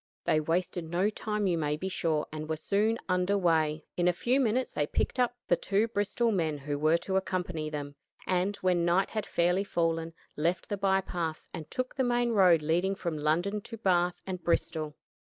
They wasted no time you may be sure, and were soon under way. In a few minutes they picked up the two Bristol men who were to accompany them, and, when night had fairly fallen, left the by paths and took to the main road leading from London to Bath and Bristol.